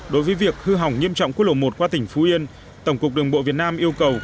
đối với việc hư hỏng nghiêm trọng quốc lộ một qua tỉnh phú yên tổng cục đường bộ việt nam yêu cầu